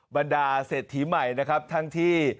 บรรดาเศรษฐีใหม่นะครับทั้งที่